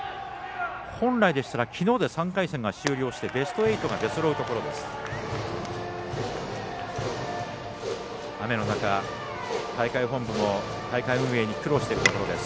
本来でしたら、きのうで３回戦が終了してベスト８が出そろうところです。